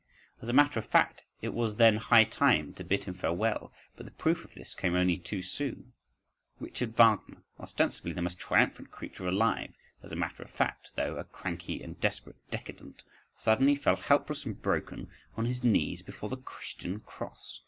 … As a matter of fact, it was then high time to bid him farewell: but the proof of this came only too soon. Richard Wagner, ostensibly the most triumphant creature alive; as a matter of fact, though, a cranky and desperate décadent, suddenly fell helpless and broken on his knees before the Christian cross.